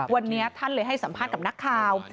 วันนี้ท่านเลยให้สัมภาษณ์กับนักข่าว